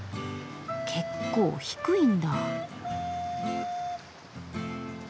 結構低いんだ。